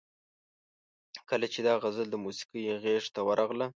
کله چې دا غزل د موسیقۍ غیږ ته ورغله.